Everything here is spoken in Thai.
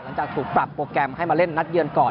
หลังจากถูกปรับโปรแกรมให้มาเล่นนัดเยือนก่อน